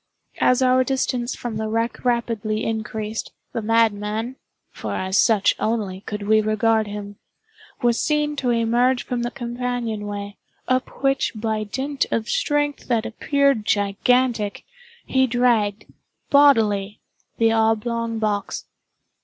As our distance from the wreck rapidly increased, the madman (for as such only could we regard him) was seen to emerge from the companion—way, up which by dint of strength that appeared gigantic, he dragged, bodily, the oblong box.